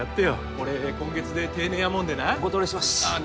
俺今月で定年やもんでなお断りしますああ